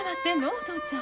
お父ちゃん。